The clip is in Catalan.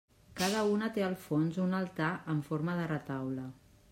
Cada una té al fons un altar en forma de retaule.